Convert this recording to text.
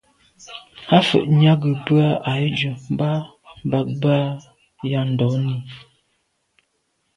À’ fə̂ nyɑ́ gə̀ bə́ â Ahidjò mbɑ́ bə̀k bə́ á yá ndɔ̌n lî.